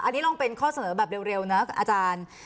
อันนี้ลองเป็นข้อเสนอแบบเร็วนะกับอาจารย์